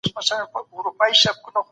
د مجلس پرېکړي څنګه خلګو ته رسېږي؟